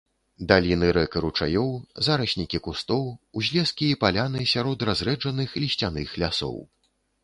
Даліны рэк і ручаёў, зараснікі кустоў, узлескі і паляны сярод разрэджаных лісцяных лясоў.